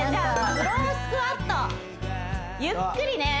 スロースクワットゆっくりね